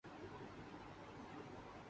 ہم دوستوں کے ساتھ فلم دیکھنے جا رہے ہیں